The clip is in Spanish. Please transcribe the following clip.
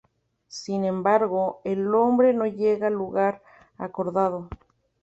Sin embargo, el hombre no llega al lugar acordado.